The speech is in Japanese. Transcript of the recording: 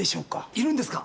いるんですか！？